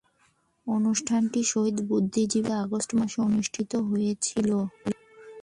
অনুষ্ঠানটি শহীদ বুদ্ধিজীবী কলেজে আগস্ট মাসে অনুষ্ঠিত হয়েছিলো।